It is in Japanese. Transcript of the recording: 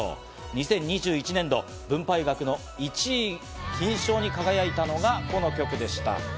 ２０２１年度、分配額１位、金賞に輝いたのがこの曲でした。